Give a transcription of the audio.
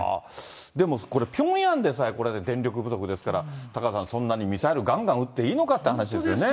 でもこれ、ピョンヤンでさえ電力不足ですから、タカさん、そんなにミサイルがんがん撃っていいのかって話ですよね。